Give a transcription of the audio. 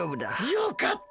よかった。